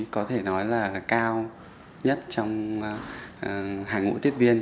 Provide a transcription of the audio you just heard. có thể nói là cao nhất trong hàng ngũ tiếp viên